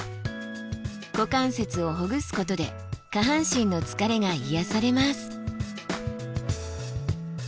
股関節をほぐすことで下半身の疲れが癒やされます。